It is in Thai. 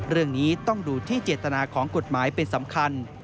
เรื่องนี้ต้องดูที่เจตนาของกฎหมายเป็นสำคัญ